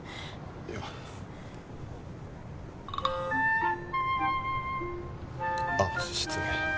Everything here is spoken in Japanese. いやあっ失礼